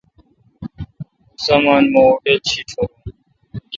اوں سامان مہ اوٹل شی چھور۔